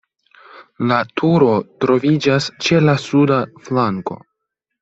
La turo troviĝas ĉe la suda flanko.